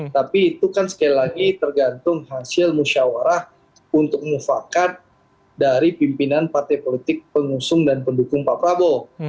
tapi itu kan sekali lagi tergantung hasil musyawarah untuk mufakat dari pimpinan partai politik pengusung dan pendukung pak prabowo